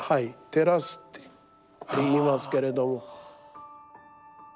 テラスっていいますけれども。